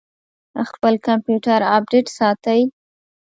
خپل کمپیوټر اپډیټ ساتئ؟